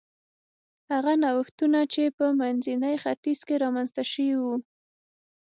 هغه نوښتونه چې په منځني ختیځ کې رامنځته شوي و